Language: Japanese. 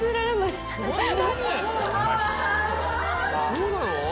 そうなの？